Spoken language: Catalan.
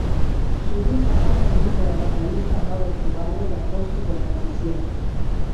Sovint se'l fa servir per a referir-se a noves troballes de fòssils de transició.